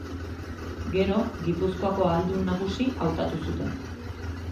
Gero Gipuzkoako Ahaldun Nagusi hautatu zuten.